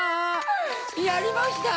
やりました！